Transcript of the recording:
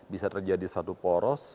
bisa terjadi satu poros